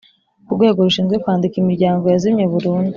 Urwego rushinzwe kwandika imiryango yazimye burundu